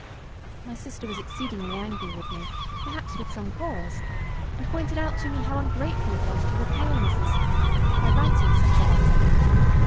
My sister was exceedingly angry with me, perhaps with some cause, and pointed out to me how ungrateful it was to repay Mrs. —— by writing such a letter.